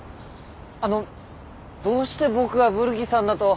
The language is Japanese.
あのどうして僕がブルギさんだと？